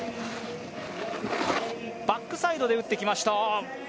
バックサイドで打ってきました。